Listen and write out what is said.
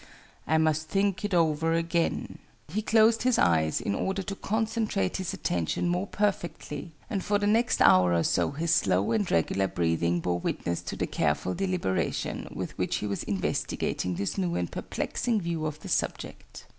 "I must think it over again." He closed his eyes, in order to concentrate his attention more perfectly, and for the next hour or so his slow and regular breathing bore witness to the careful deliberation with which he was investigating this new and perplexing view of the subject.